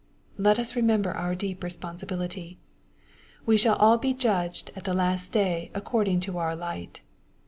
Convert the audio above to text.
Let us remember our deep responsibility. We shall all be judged at the last day according, to our light.